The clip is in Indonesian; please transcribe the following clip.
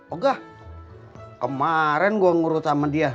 oh gak kemaren gua ngurut sama dia